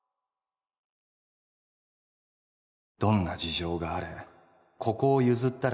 どんな事情があれここを譲ったら